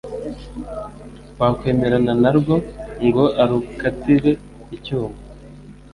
Wakwemerana na rwo Ngo arukatire icyuma